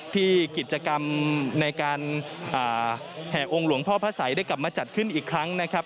ที่กิจกรรมในการแห่องค์หลวงพ่อพระสัยได้กลับมาจัดขึ้นอีกครั้งนะครับ